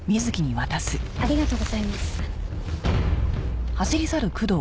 ありがとうございます。